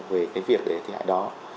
về cái việc để thi hại đó